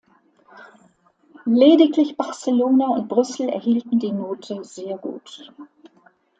Lediglich Barcelona und Brüssel erhielten die Note „Sehr gut“.